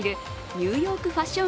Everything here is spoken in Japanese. ニューヨークファッション